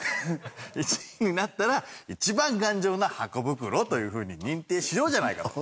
１位になったら一番頑丈なハコ袋というふうに認定しようじゃないかと。